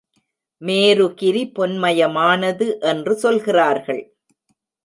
மேரு கிரி பொன்மயமானது என்று சொல்கிறார்கள்.